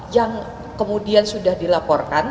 yang kemudian sudah dilaporkan